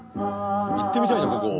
行ってみたいなここ。